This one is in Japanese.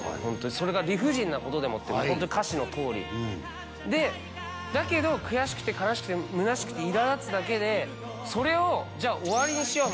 それが理不尽なことでもってホントに歌詞のとおりでだけど悔しくて哀しくて虚しくて苛立つだけでそれをじゃあ終わりにしよう